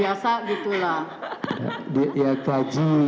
yang lebih yang biasa gitu lah